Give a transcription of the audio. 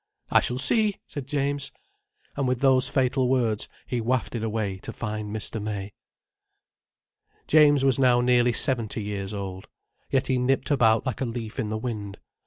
"I shall see," said James. And with those fatal words he wafted away to find Mr. May. James was now nearly seventy years old. Yet he nipped about like a leaf in the wind.